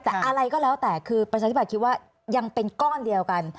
แต่อะไรก็แล้วแต่คือประชาธิบัตย์คิดว่ายังเป็นก้อนเดียวกัน